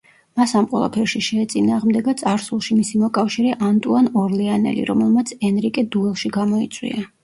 მას ამ ყველაფერში შეეწინააღმდეგა წარსულში მისი მოკავშირე ანტუან ორლეანელი, რომელმაც ენრიკე დუელში გამოიწვია.